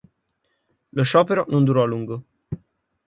Lo sciopero non durò a lungo.